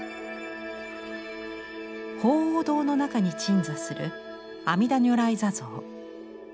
鳳凰堂の中に鎮座する阿弥陀如来坐像。